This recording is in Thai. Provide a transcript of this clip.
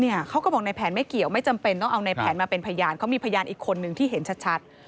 เขาก็บอกในแผนไม่เกี่ยวไม่จำเป็นต้องเอาในแผนมาเป็นพยานเขามีพยานอีกคนนึงที่เห็นชัด